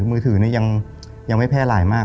มือถือนี่ยังไม่แพร่หลายมาก